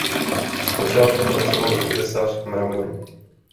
Zpočátku pracoval jako tesař mramoru.